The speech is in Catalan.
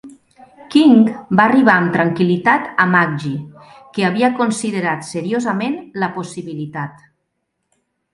King va dir amb tranquil·litat a McGee que havia considerat seriosament la possibilitat.